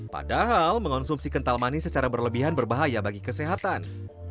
padahal mengonsumsi kental manis secara berlebihan berbahaya bagi kesehatan